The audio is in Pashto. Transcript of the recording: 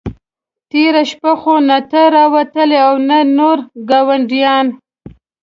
تېره شپه خو نه ته را وتلې او نه نور ګاونډیان.